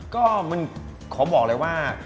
ก็มันขอบอกเลยว่า